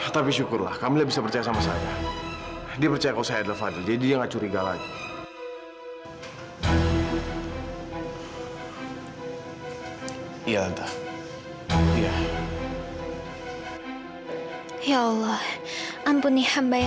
sampai jumpa di video selanjutnya